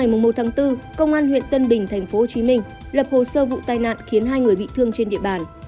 ngày một bốn công an huyện tân bình tp hcm lập hồ sơ vụ tai nạn khiến hai người bị thương trên địa bàn